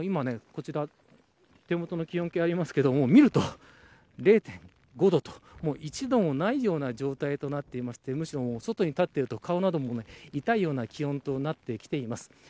手元の気温計を見ると０．５度と１度もないような状態となっていて外に立っていると顔なども痛いような気温となってきています。